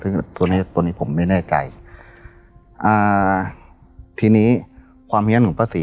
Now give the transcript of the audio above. ซึ่งตัวนี้ผมไม่แน่ใกล้ทีนี้ความเหี้ยนของป้าศรี